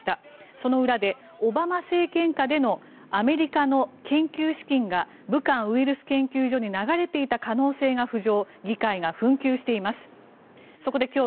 その裏でオバマ政権下でのアメリカの研究資金が武漢ウイルス研究所に流れていた可能性が浮上。